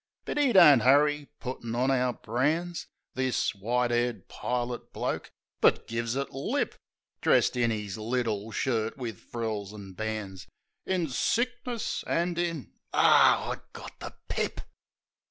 But 'e don't 'urry puttin' on our brands — This white 'aired pilot bloke — ^but gives it lip. Dressed in 'is little shirt, wiv frills an' bands. "In sick ness — an' — in —" Ar! I got the pip!